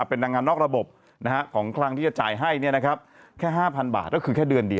เออใส่ชุดดำไง